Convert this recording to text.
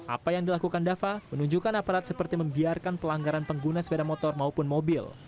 apa yang dilakukan dava menunjukkan aparat seperti membiarkan pelanggaran pengguna sepeda motor maupun mobil